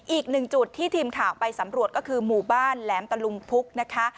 อีกหนึ่งจุดที่ทีมข่าวไปสำรวจก็คือหมู่บ้านแหลมตะลุงพุกนะคะ